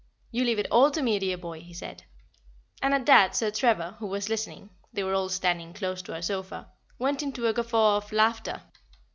"You leave it all to me, dear boy," he said; and at that Sir Trevor, who was listening (they were all standing close to our sofa) went into a guffaw of laughter.